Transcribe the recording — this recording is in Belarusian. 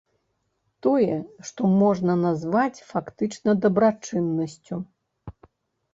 Тое, што можна назваць фактычна дабрачыннасцю.